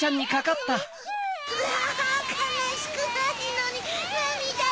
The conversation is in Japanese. うぅかなしくないのになみだが。